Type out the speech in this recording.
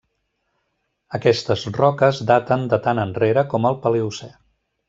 Aquestes roques daten de tan enrere com el Paleocè.